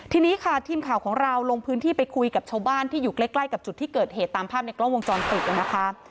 ทีนี้ค่ะทีมข่าวของเราลงพื้นที่ไปคุยกับชาวบ้านที่อยู่ใกล้กับจุดที่เกิดเหตุตามภาพในกล้องวงจรปิดนะคะ